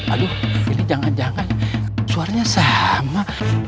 aduh jadi jangan jangan suaranya sama